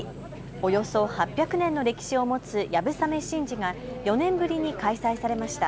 およそ８００年の歴史を持つ流鏑馬神事が４年ぶりに開催されました。